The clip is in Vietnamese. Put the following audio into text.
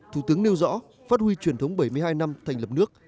thủ tướng nêu rõ phát huy truyền thống bảy mươi hai năm thành lập nước